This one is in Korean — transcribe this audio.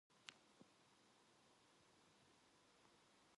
그래서 피치 못하여 마주치게나 되면 눈웃음으로 인사를 건네고 말 뿐이었다.